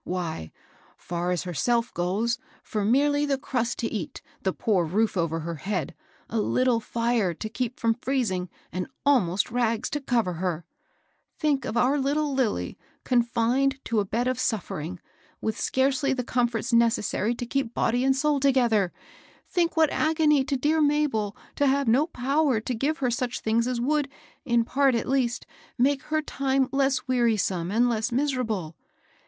Why, far as heih self goes, for merely the crust to eat, the poor roof over her head, a little fire to keep from HOW HILDA KEEPS HER POWDER DRY. 251 freezing, and almost rags to cover herl Think of our little Lilly confined to a bed of suffer ing, witli scarcely the comforts necessary to keep body cmd soul together; think what agony to dear Mabel to have no power to give her such things as would, in part, at least, make her time less wearisome and less miserable.